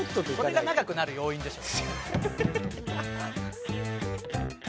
それが長くなる要因でしょ。